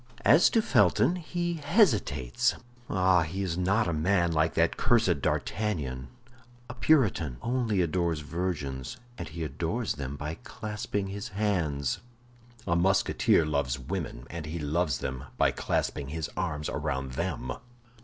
As to Felton, he hesitates. Ah, he is not a man like that cursed D'Artagnan. A Puritan only adores virgins, and he adores them by clasping his hands. A Musketeer loves women, and he loves them by clasping his arms round them."